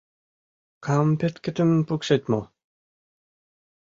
Кампеткетым пукшет мо?